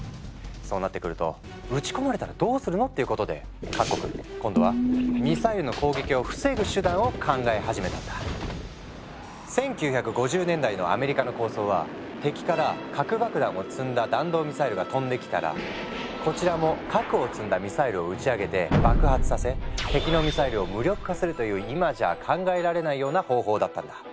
そうなってくると「撃ち込まれたらどうするの？」っていうことで各国今度は敵から核爆弾を積んだ弾道ミサイルが飛んできたらこちらも核を積んだミサイルを打ち上げて爆発させ敵のミサイルを無力化するという今じゃ考えられないような方法だったんだ。